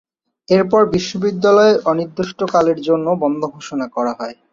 এরপর বিশ্ববিদ্যালয় অনির্দিষ্টকালের জন্য বন্ধ ঘোষণা করা হয়।